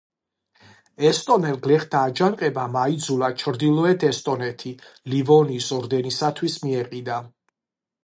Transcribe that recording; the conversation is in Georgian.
ესტონელ გლეხთა აჯანყებამ აიძულა ჩრდილოეთ ესტონეთი ლივონიის ორდენისათვის მიეყიდა.